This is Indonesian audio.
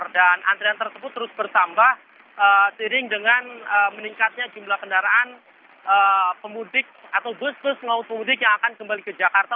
dan antrian tersebut terus bertambah seiring dengan meningkatnya jumlah kendaraan pemudik atau bus bus laut pemudik yang akan kembali ke jakarta